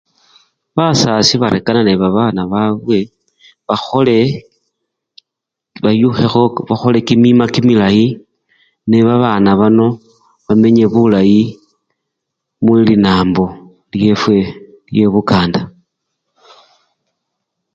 Basasi barekana nebabana babwe bakhole! bayukhekho bakhole kimima kimilayi, nebabana bano bamenye bulayi muli nambo lyefwe lino lyebukanda.